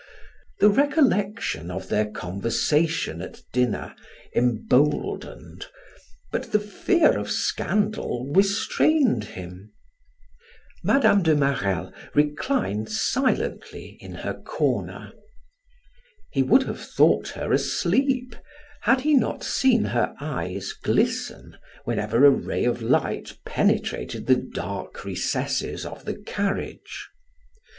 The recollection of their conversation at dinner emboldened, but the fear of scandal restrained him. Mme. de Marelle reclined silently in her corner. He would have thought her asleep, had he not seen her eyes glisten whenever a ray of light penetrated the dark recesses of the carriage.